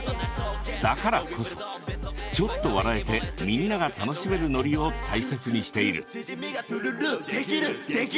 だからこそちょっと笑えてみんなが楽しめるノリを大切にしている。